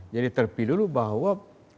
jadi terpilih dulu bahwa